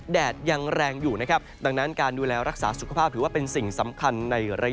แดดยังแรงอยู่นะครับดังนั้นการดูแลรักษาสุขภาพถือว่าเป็นสิ่งสำคัญในระยะ